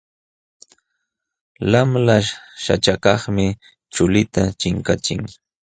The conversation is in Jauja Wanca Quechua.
Lamlaśh saćhakaqmi chullita chinkachin.